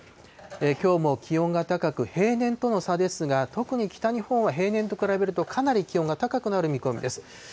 きょうも気温が高く、平年との差ですが、特に北日本は平年と比べるとかなり気温が高くなる見込みです。